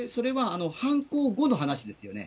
それは犯行後の話ですよね。